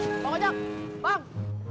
bang ojak bang